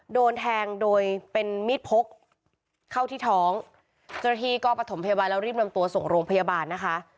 โดนแทงโดยเป็นมีดพกเข้าที่ท้องเจ้าหน้าที่ก็ประถมพยาบาลแล้วรีบนำตัวส่งโรงพยาบาลนะคะ